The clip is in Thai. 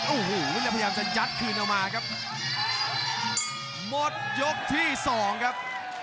โอ้โหแล้วพยายามจะยัดคืนเอามาครับหมดยกที่สองครับ